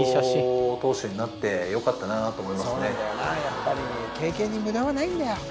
やっぱり経験に無駄はないんだよ